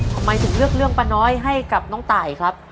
ทำไมถึงเลือกเรื่องป้าน้อยให้กับน้องตายครับ